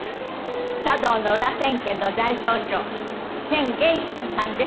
茶道の裏千家の大宗匠千玄室さんです。